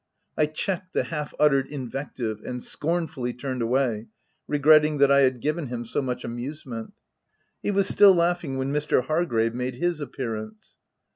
I checked the half uttered invective, and scornfully turned away, regretting that I had given him so much amusement. He was still laughing when Mr. Hargrave made his appearance.